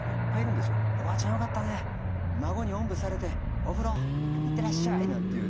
孫におんぶされてお風呂行ってらっしゃい」なんていうね